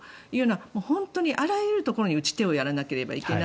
本当にあらゆるところに打ち手をやらなければいけない。